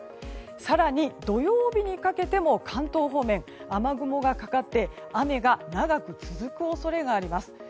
更に、土曜日にかけても関東方面は雨雲がかかって雨が長く続く恐れがあります。